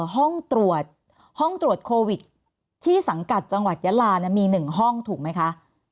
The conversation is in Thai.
ห้องตรวจห้องตรวจโควิดที่สังกัดจังหวัดยาลามี๑ห้องถูกไหมคะ